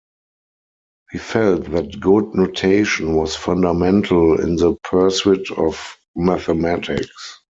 He felt that good notation was fundamental in the pursuit of mathematics.